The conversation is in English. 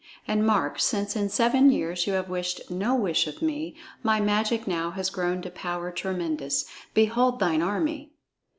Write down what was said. And mark, since in seven years you have wished no wish of me, my magic now has grown to power tremendous. Behold thine army!"